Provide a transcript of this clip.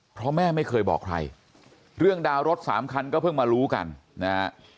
เพราะแม่ไม่เคยบอกใครเรื่องดาวรถสามคันก็เพิ่งมารู้กันนะฮะ